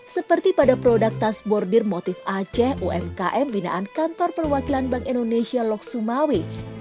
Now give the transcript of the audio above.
seperti pada produk tas bordir motif aceh umkm binaan kantor perwakilan bank indonesia lok sumawi